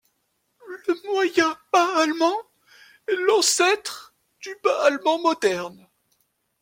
Le moyen bas allemand est l’ancêtre du bas allemand moderne.